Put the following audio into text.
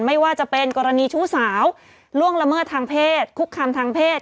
ไม่ว่าจะเป็นกรณีชู้สาวล่วงละเมิดทางเพศคุกคำทางเพศ